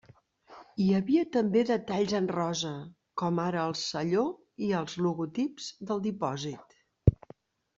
Hi havia també detalls en rosa, com ara el selló i els logotips del dipòsit.